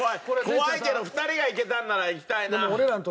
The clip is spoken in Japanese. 怖いけど２人がいけたんならいきたいな。